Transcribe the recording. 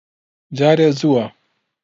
جارێ زووە.